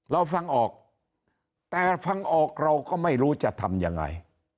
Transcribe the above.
เราฟังออกแต่ฟังออกเราก็ไม่รู้จะทำยังไง